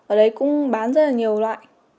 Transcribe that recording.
ở đấy cũng bán rất là nhiều loại